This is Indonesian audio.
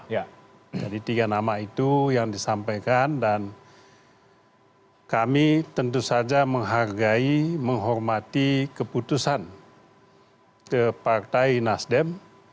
jadi tiga nama itu yang disampaikan dan kami tentu saja menghargai menghormati keputusan ke partai nasdem